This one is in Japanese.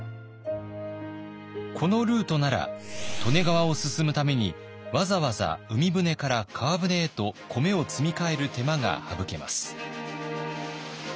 このルートなら利根川を進むためにわざわざ海船から川船へと米を積み替える手間が省けます。